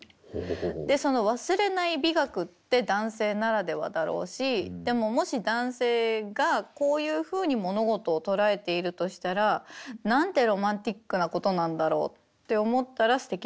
でその忘れない美学って男性ならではだろうしでももし男性がこういうふうに物事を捉えているとしたらなんてロマンティックなことなんだろうって思ったらすてきだなと思いました。